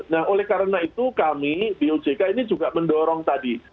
nah oleh karena itu kami di ojk ini juga mendorong tadi